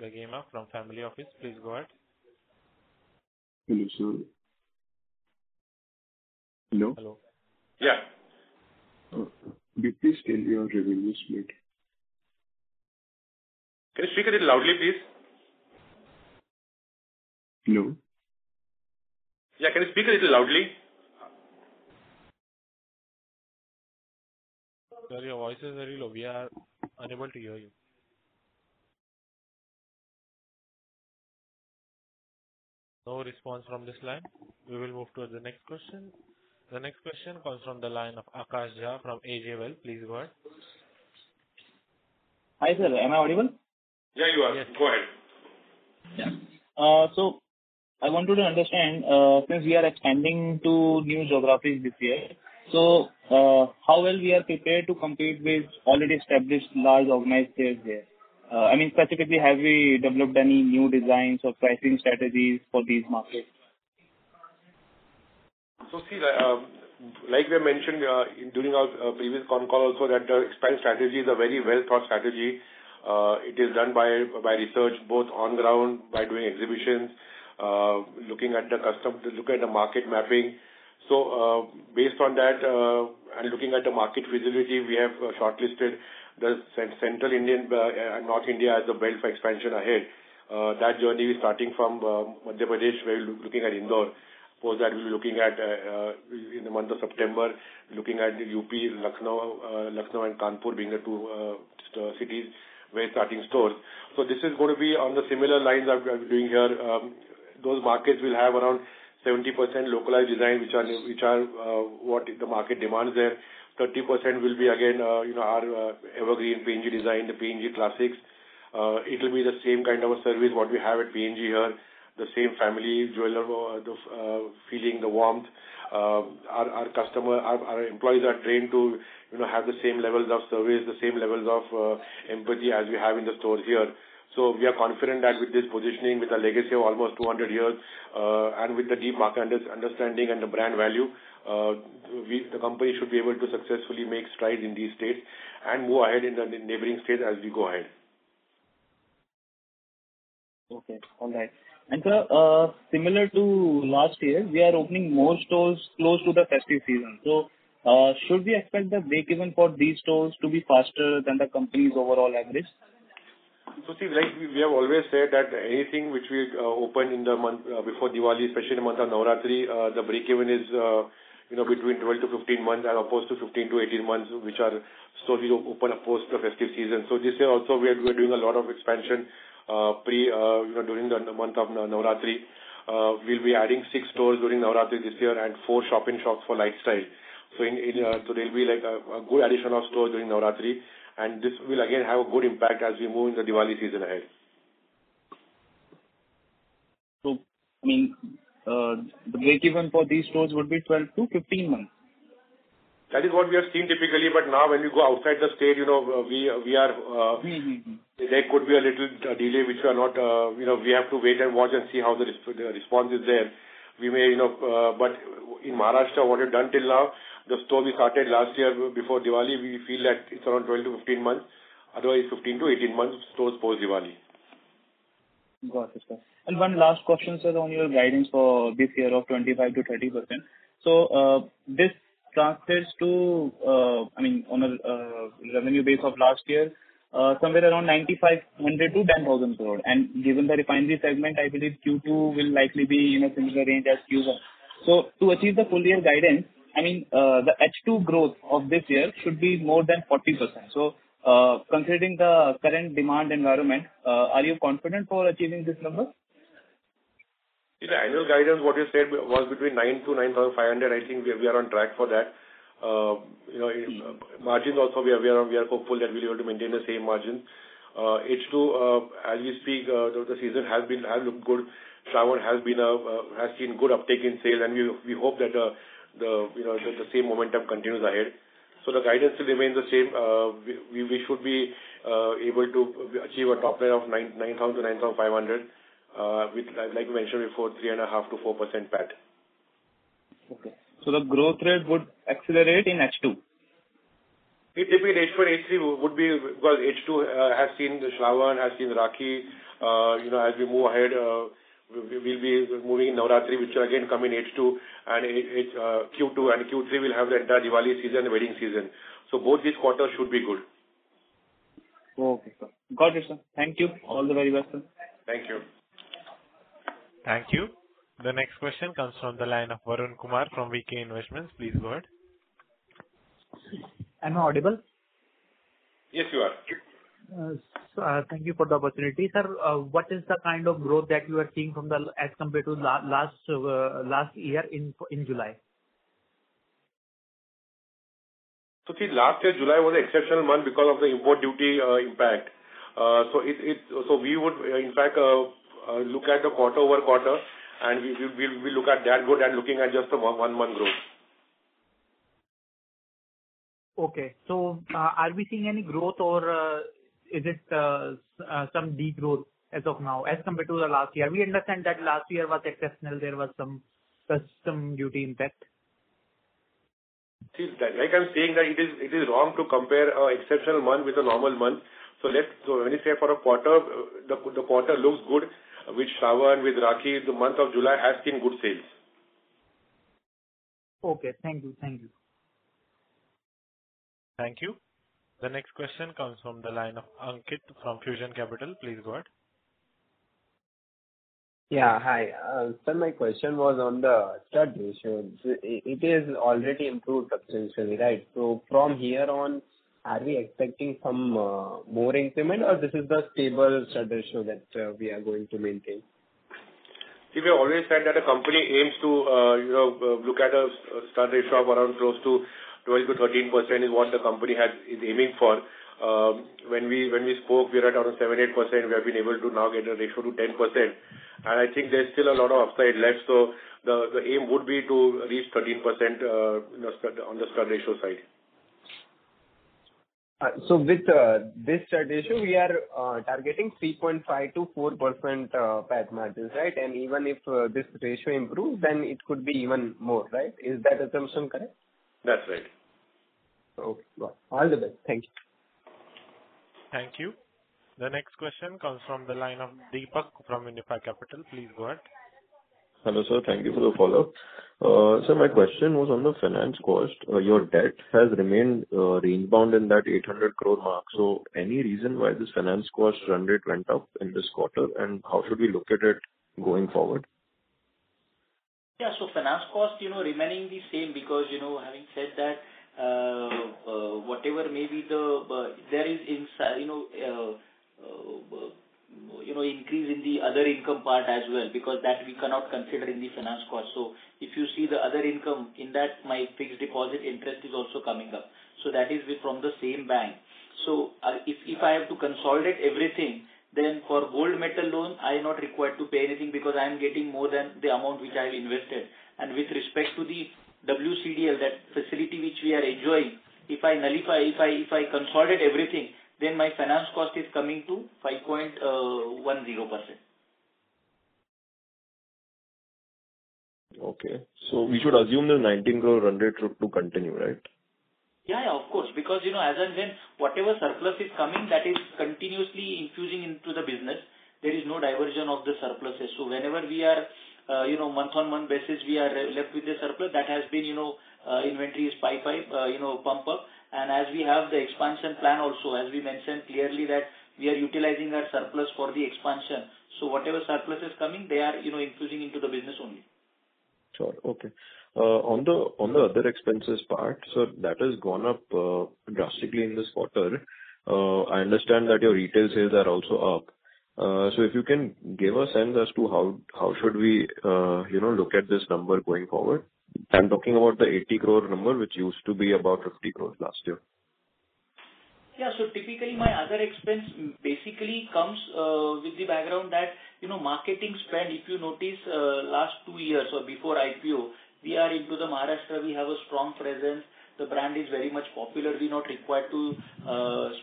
[SPEAKER 1] Gangema from Family Office. Please go ahead.
[SPEAKER 12] Hello, sir. Hello?
[SPEAKER 3] Yeah.
[SPEAKER 12] Could you please tell me your revenue split?
[SPEAKER 3] Can you speak a little loudly, please?
[SPEAKER 12] Hello?
[SPEAKER 3] Yeah, can you speak a little loudly?
[SPEAKER 1] Sir, your voice is very low. We are unable to hear you. No response from this line. We will move towards the next question. The next question comes from the line of Aakash Jha from AJ Well. Please go ahead.
[SPEAKER 13] Hi, sir. Am I audible?
[SPEAKER 3] Yeah, you are. Go ahead.
[SPEAKER 13] Yeah. I wanted to understand, since we are expanding to new geographies this year, how well we are prepared to compete with already established large organized players there? Specifically, have we developed any new designs or pricing strategies for these markets?
[SPEAKER 3] We have mentioned during our previous con call also that the expansion strategy is a very well-thought strategy. It is done by research, both on ground, by doing exhibitions, looking at the market mapping. Based on that, and looking at the market feasibility, we have shortlisted the Central India and North India as the belt for expansion ahead. That journey is starting from Madhya Pradesh. We are looking at Indore. Post that, we will be looking at, in the month of September, looking at UP, Lucknow, and Kanpur being the two cities we are starting stores. This is going to be on the similar lines that we are doing here. Those markets will have around 70% localized designs, which are what the market demands there. 30% will be again our evergreen PNG design, the PNG classics. It will be the same kind of a service what we have at PNG here, the same family jeweler feeling, the warmth. Our employees are trained to have the same levels of service, the same levels of empathy as we have in the stores here. We are confident that with this positioning, with a legacy of almost 200 years, and with the deep market understanding and the brand value, the company should be able to successfully make strides in these states and move ahead in the neighboring states as we go ahead.
[SPEAKER 13] Sir, similar to last year, we are opening more stores close to the festive season. Should we expect the break even for these stores to be faster than the company's overall average?
[SPEAKER 3] See, like we have always said that anything which we open before Diwali, especially in the month of Navratri, the break even is between 12-15 months as opposed to 15-18 months, which are stores we open post the festive season. This year also, we are doing a lot of expansion during the month of Navratri. We'll be adding six stores during Navratri this year and four shop-in-shops for LiteStyle. There'll be a good addition of stores during Navratri, and this will again have a good impact as we move into the Diwali season ahead.
[SPEAKER 13] Break even for these stores would be 12-15 months.
[SPEAKER 3] That is what we have seen typically, now when you go outside the state, there could be a little delay, which we have to wait and watch and see how the response is there. In Maharashtra, what we've done till now, the store we started last year before Diwali, we feel that it's around 12-15 months. Otherwise, 15-18 months stores post Diwali.
[SPEAKER 13] Got it, sir. One last question, sir, on your guidance for this year of 25%-30%. This translates to, on a revenue base of last year, somewhere around 9,500 crore-10,000 crore. Given the refinery segment, I believe Q2 will likely be in a similar range as Q1. To achieve the full year guidance, the H2 growth of this year should be more than 40%. Considering the current demand environment, are you confident for achieving this number?
[SPEAKER 3] The annual guidance, what you said was between 9,000-9,500. I think we are on track for that. Margins also, we are hopeful that we'll be able to maintain the same margins. H2, as we speak, the season has looked good. Travel has seen good uptake in sales, and we hope that the same momentum continues ahead. The guidance remains the same. We should be able to achieve a top-line of 9,000-9,500, with, like we mentioned before, 3.5%-4% PAT.
[SPEAKER 13] Okay. The growth rate would accelerate in H2?
[SPEAKER 3] H2 has seen the Shravan, has seen the Rakhi. As we move ahead, we'll be moving Navratri, which again come in H2, and Q2 and Q3 will have the entire Diwali season, the wedding season. Both these quarters should be good.
[SPEAKER 13] Okay, sir. Got it, sir. Thank you. All the very best, sir.
[SPEAKER 3] Thank you.
[SPEAKER 1] Thank you. The next question comes from the line of Varun Kumar from VK Investments. Please go ahead.
[SPEAKER 14] Am I audible?
[SPEAKER 1] Yes, you are.
[SPEAKER 14] Thank you for the opportunity. Sir, what is the kind of growth that you are seeing as compared to last year in July?
[SPEAKER 3] Last year, July was an exceptional month because of the import duty impact. We would in fact, look at the quarter-over-quarter, and we look at that good and looking at just one-month growth.
[SPEAKER 14] Okay. Are we seeing any growth or is it some de-growth as of now as compared to the last year? We understand that last year was exceptional. There was some custom duty impact.
[SPEAKER 3] Like I'm saying, that it is wrong to compare an exceptional month with a normal month. When you say for a quarter, the quarter looks good with Shravan, with Rakhi, the month of July has been good sales.
[SPEAKER 14] Okay. Thank you.
[SPEAKER 1] Thank you. The next question comes from the line of Ankit from Fusion Capital. Please go ahead.
[SPEAKER 12] Yeah, hi. Sir, my question was on the stock ratio. It is already improved substantially. From here on, are we expecting some more increment or this is the stable stock ratio that we are going to maintain?
[SPEAKER 3] We have always said that a company aims to look at a stock ratio of around close to 12%-13% is what the company is aiming for. When we spoke, we were at around 7%-8%. We have been able to now get a ratio to 10%. I think there's still a lot of upside left. The aim would be to reach 13% on the stock ratio side.
[SPEAKER 12] With this stock ratio, we are targeting 3.5%-4% PAT margins. Even if this ratio improves, it could be even more. Is that assumption correct?
[SPEAKER 3] That's right.
[SPEAKER 12] Okay. All the best. Thank you.
[SPEAKER 1] Thank you. The next question comes from the line of Deepak from Unifi Capital. Please go ahead.
[SPEAKER 6] Hello, sir. Thank you for the follow-up. Sir, my question was on the finance cost. Your debt has remained inbound in that 800 crore mark. Any reason why this finance cost run rate went up in this quarter? How should we look at it going forward?
[SPEAKER 4] Finance cost remaining the same because, having said that, whatever may be there is increase in the other income part as well, because that we cannot consider in the finance cost. If you see the other income, in that, my fixed deposit interest is also coming up. That is from the same bank. If I have to consolidate everything, then for gold metal loan, I am not required to pay anything because I am getting more than the amount which I have invested. With respect to the WCDL, that facility which we are enjoying, if I consolidate everything, then my finance cost is coming to 5.10%.
[SPEAKER 6] Okay. We should assume the 19 crore run rate to continue, right?
[SPEAKER 4] Yeah, of course. As and when whatever surplus is coming, that is continuously infusing into the business. There is no diversion of the surpluses. Whenever we are, month on month basis, we are left with a surplus, that has been inventory is bypipe pump up. As we have the expansion plan also, as we mentioned clearly that we are utilizing that surplus for the expansion. Whatever surplus is coming, they are infusing into the business only.
[SPEAKER 6] Sure. Okay. On the other expenses part, sir, that has gone up drastically in this quarter. I understand that your retail sales are also up. If you can give a sense as to how should we look at this number going forward. I'm talking about the 80 crore number, which used to be about 50 crore last year.
[SPEAKER 4] Yeah. Typically my other expense basically comes with the background that marketing spend, if you notice, last 2 years or before IPO, we are into the Maharashtra, we have a strong presence. The brand is very much popular. We're not required to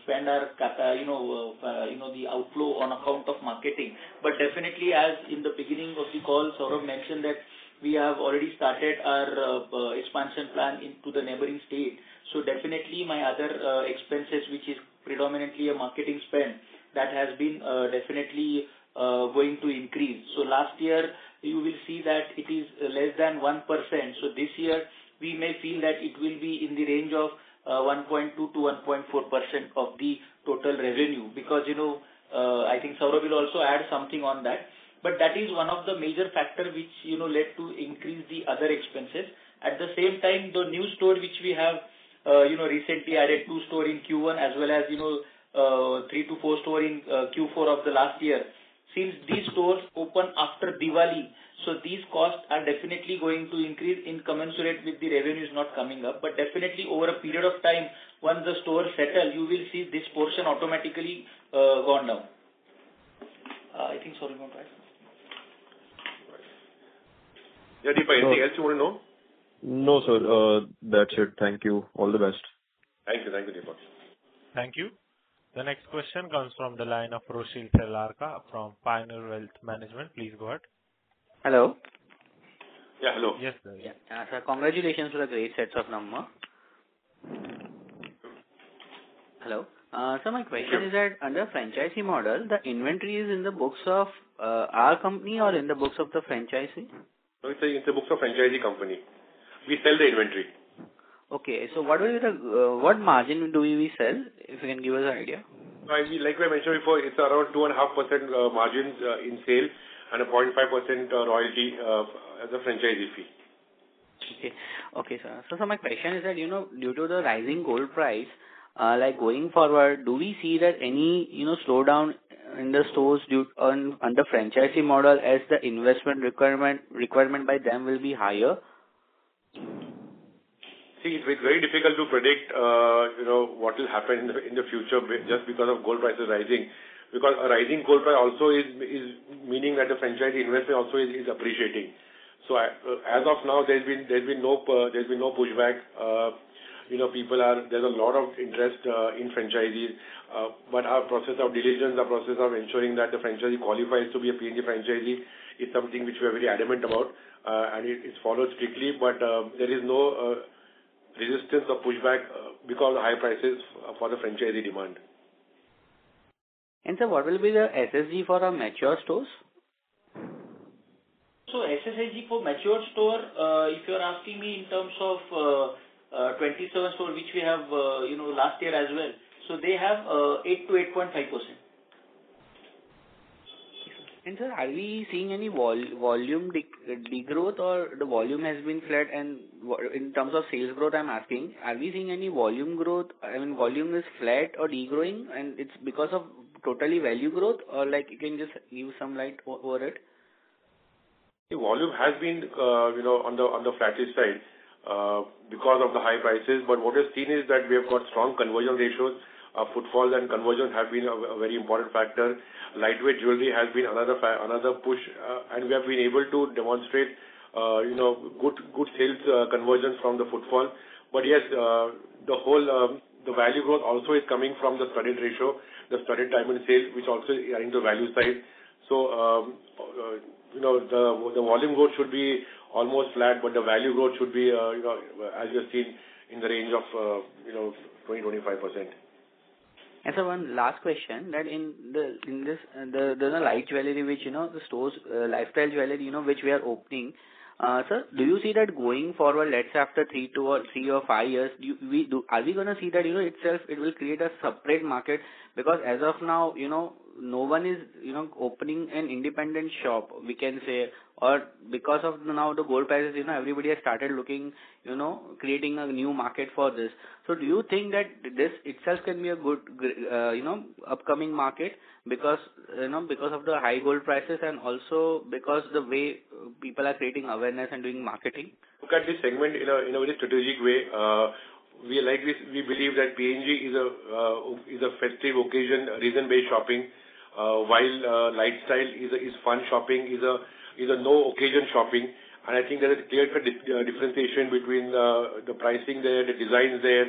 [SPEAKER 4] spend the outflow on account of marketing. Definitely, as in the beginning of the call, Saurabh mentioned that we have already started our expansion plan into the neighboring state. Definitely my other expenses, which is predominantly a marketing spend, that has been definitely going to increase. Last year, you will see that it is less than 1%. This year, we may feel that it will be in the range of 1.2%-1.4% of the total revenue, because I think Saurabh will also add something on that. That is one of the major factor which led to increase the other expenses. At the same time, the new store which we have recently added 2 store in Q1, as well as 3-4 store in Q4 of the last year. Since these stores opened after Diwali, these costs are definitely going to increase in commensurate with the revenues not coming up. Definitely over a period of time, once the stores settle, you will see this portion automatically gone down. I think Saurabh want to add something.
[SPEAKER 3] Deepak, anything else you want to know?
[SPEAKER 6] No, sir. That's it. Thank you. All the best.
[SPEAKER 3] Thank you, Deepak.
[SPEAKER 1] Thank you. The next question comes from the line of Roshil Telarka from Pioneer Wealth Management. Please go ahead.
[SPEAKER 15] Hello.
[SPEAKER 3] Yeah, hello.
[SPEAKER 15] Yeah. Sir, congratulations for the great sets of number. Hello. Sir, my question is that under the franchisee model, the inventory is in the books of our company or in the books of the franchisee?
[SPEAKER 3] It's in the books of franchisee company. We sell the inventory.
[SPEAKER 15] Okay. What margin do we sell? If you can give us an idea.
[SPEAKER 3] Like I mentioned before, it is around 2.5% margins in sales and a 0.5% royalty as a franchisee fee.
[SPEAKER 15] Okay, sir. Sir, my question is that, due to the rising gold price, going forward, do we see any slowdown in the stores under franchisee model as the investment requirement by them will be higher?
[SPEAKER 3] See, it is very difficult to predict what will happen in the future just because of gold prices rising. A rising gold price also is meaning that the franchisee investment also is appreciating. As of now, there has been no pushback. There is a lot of interest in franchisees. Our process of diligence, our process of ensuring that the franchisee qualifies to be a PNG franchisee, is something which we are very adamant about, and it is followed strictly. There is no resistance or pushback because of high prices for the franchisee demand.
[SPEAKER 15] Sir, what will be the SSG for our mature stores?
[SPEAKER 4] SSG for mature store, if you're asking me in terms of 27 stores, which we have last year as well. They have 8%-8.5%.
[SPEAKER 15] Sir, are we seeing any volume degrowth or the volume has been flat? In terms of sales growth, I'm asking, are we seeing any volume growth? I mean, volume is flat or degrowing, and it's because of totally value growth? You can just give some light over it.
[SPEAKER 3] The volume has been on the flattish side because of the high prices. What we've seen is that we have got strong conversion ratios. Footfall and conversion have been a very important factor. Lightweight jewelry has been another push, and we have been able to demonstrate good sales conversions from the footfall. Yes, the value growth also is coming from the spendit ratio, the spendit time in sales, which also is in the value side. The volume growth should be almost flat, but the value growth should be, as you have seen, in the range of 20%-25%.
[SPEAKER 15] Sir, one last question. There's a light jewelry, the stores, LiteStyle Jewelry, which we are opening. Sir, do you see that going forward, let's say after three or five years, are we going to see that it will create a separate market? As of now, no one is opening an independent shop, we can say. Because of now the gold prices, everybody has started creating a new market for this. Do you think that this itself can be a good upcoming market because of the high gold prices and also because the way people are creating awareness and doing marketing?
[SPEAKER 3] Look at this segment in a very strategic way. We believe that PNG is a festive occasion, reason-based shopping, while LiteStyle is fun shopping, is a no-occasion shopping. I think there is a clear differentiation between the pricing there, the designs there.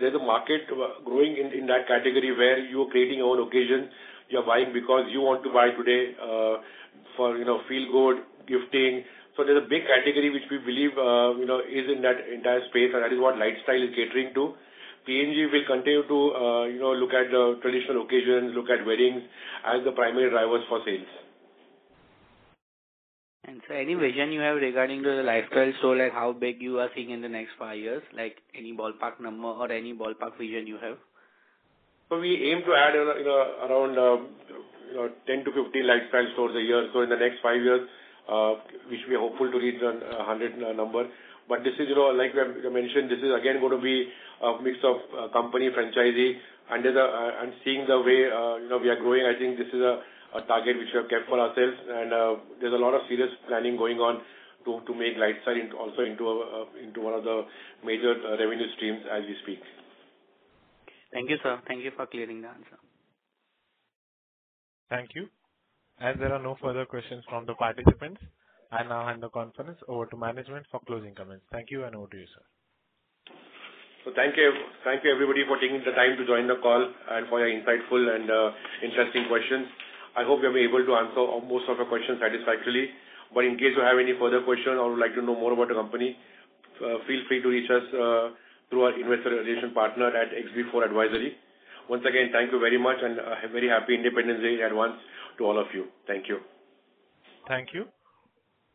[SPEAKER 3] There's a market growing in that category where you are creating your own occasion. You're buying because you want to buy today for feel good, gifting. There's a big category which we believe is in that entire space, and that is what LiteStyle is catering to. PNG will continue to look at the traditional occasions, look at weddings as the primary drivers for sales.
[SPEAKER 15] Sir, any vision you have regarding the LiteStyle store, like how big you are seeing in the next 5 years? Any ballpark number or any ballpark vision you have?
[SPEAKER 3] We aim to add around 10-15 LiteStyle stores a year. In the next 5 years, which we are hopeful to reach 100 in a number. This is, like we have mentioned, this is again going to be a mix of company, franchisee. Seeing the way we are growing, I think this is a target which we have kept for ourselves. There's a lot of serious planning going on to make LiteStyle also into one of the major revenue streams as we speak.
[SPEAKER 15] Thank you, sir. Thank you for clearing the answer.
[SPEAKER 1] Thank you. As there are no further questions from the participants, I now hand the conference over to management for closing comments. Thank you, and over to you, sir.
[SPEAKER 3] Thank you, everybody, for taking the time to join the call and for your insightful and interesting questions. I hope we have been able to answer most of your questions satisfactorily. In case you have any further questions or would like to know more about the company, feel free to reach us through our investor relation partner at X-B4 Advisory. Once again, thank you very much, and very happy Independence Day, advance, to all of you. Thank you.
[SPEAKER 1] Thank you.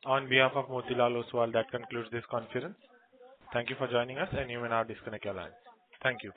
[SPEAKER 1] On behalf of Motilal Oswal, that concludes this conference. Thank you for joining us, and you may now disconnect your lines. Thank you.